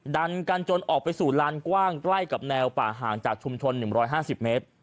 ดันกันจนออกไปสู่ลานกว้างใกล้กับแนวป่าห่างจากชุมชน๑๕๐เมตร